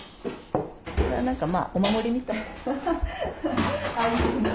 何かまあお守りみたいな。